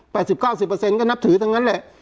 ๘๐๙๐เปอร์เซ็นต์ก็นับถือเท่านั้นแหละ